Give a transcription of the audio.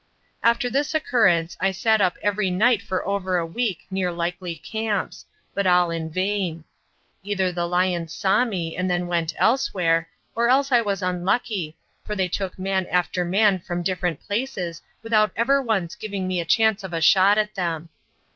After this occurrence, I sat up every night for over a week near likely camps, but all in vain. Either the lions saw me and then went elsewhere, or else I was unlucky, for they took man after man from different places without ever once giving me a chance of a shot at them.